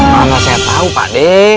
karena saya tahu pak d